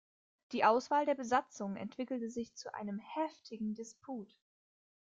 Die Auswahl der Besatzung entwickelte sich zu einem heftigen Disput.